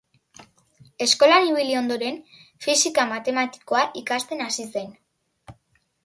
Eskolan ibili ondoren, fisika matematikoa ikasten hasi zen.